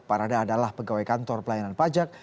parada adalah pegawai kantor pelayanan pajak